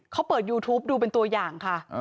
เขาเปิดยูทูปดูเป็นตัวอย่างค่ะ